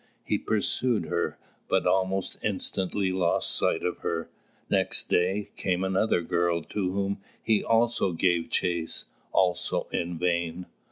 He pursued her, but almost instantly lost sight of her. Next day, came another girl, to whom he also gave chase, also in vain.